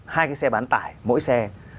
hai cái xe bán tải mỗi xe